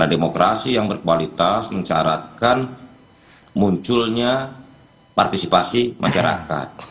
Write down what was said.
demokrasi yang berkualitas mencaratkan munculnya partisipasi masyarakat